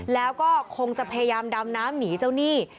แล้วก็คงจะพยายามดำน้ำหนีเจ้าหนี้